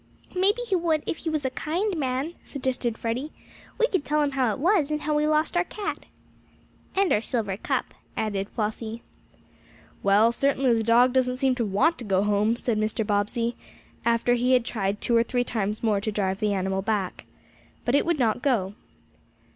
"Maybe he would if he was a kind man," suggested Freddie. "We could tell him how it was, and how we lost our cat." "And our silver cup," added Flossie. "Well, certainly the dog doesn't seem to want to go home," said Mr. Bobbsey, after he had tried two or three times more to drive the animal back. But it would not go.